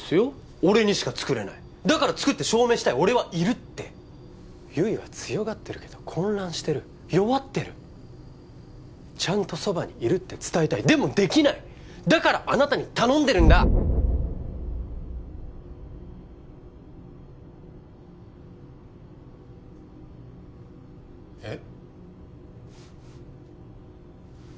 俺にしか作れないだから作って証明したい俺はいるって悠依は強がってるけど混乱してる弱ってるちゃんとそばにいるって伝えたいでもできないだからあなたに頼んでるんだえっ？